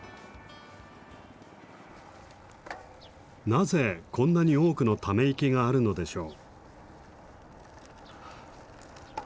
なぜこんなに多くのため池があるのでしょう？